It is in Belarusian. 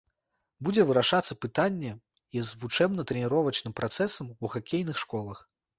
Будзе вырашацца пытанне і з вучэбна-трэніровачным працэсам у хакейных школах.